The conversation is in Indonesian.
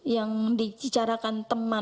yang dicarakan teman